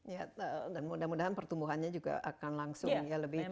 ya dan mudah mudahan pertumbuhannya juga akan langsung ya lebih tinggi